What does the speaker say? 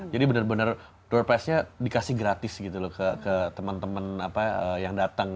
jadi bener bener door price nya dikasih gratis gitu loh ke temen temen apa yang datang